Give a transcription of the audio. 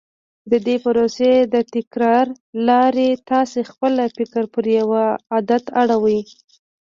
د دې پروسې د تکرار له لارې تاسې خپل فکر پر يوه عادت اړوئ.